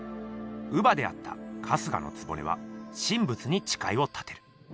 乳母であった春日局は神仏にちかいを立てる。